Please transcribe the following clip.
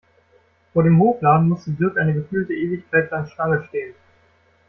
Vor dem Hofladen musste Dirk eine gefühlte Ewigkeit lang Schlange stehen.